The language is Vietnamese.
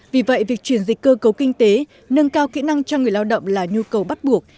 vì vậy việc chuyển dịch cơ cấu kinh tế nâng cao kỹ năng cho người lao động là nhu cầu bắt buộc